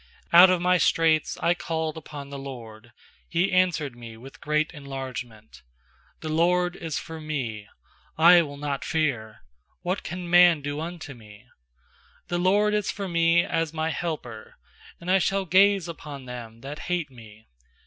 fiOut of my straits I called upon the LORD; He answered me with great en largement, i 6The LORD is forme; I will not fear; What can man do unto me? 7The LORD is for me as my helper; And I shall gaze upon them that hate me.